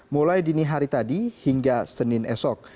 mulai dini hari tadi hingga senin esok